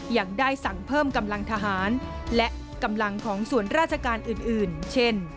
ยังได้สั่งเพิ่มกำลังทหารและกำลังของส่วนราชการอื่นเช่น